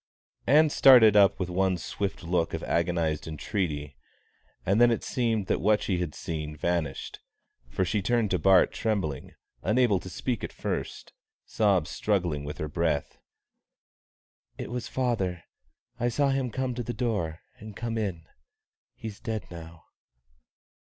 Ann started up with one swift look of agonised entreaty, and then it seemed that what she had seen vanished, for she turned to Bart trembling, unable to speak at first, sobs struggling with her breath. "It was father I saw him come to the door and come in. He's dead now."